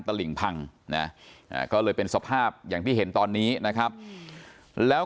ตลิ่งพังนะก็เลยเป็นสภาพอย่างที่เห็นตอนนี้นะครับแล้ว